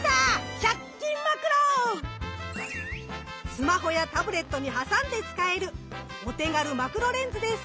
スマホやタブレットに挟んで使えるお手軽マクロレンズです。